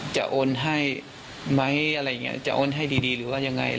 จะโอนให้ไหมจะโอนให้ดีหรือว่ายังไง